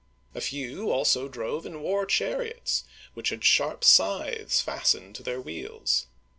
A few also drove in war chariots, which had sharp scythes fastened to their wheels.